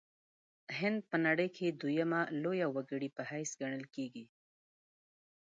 هند په نړۍ کې دویمه لویه وګړې په حیث ګڼل کیږي.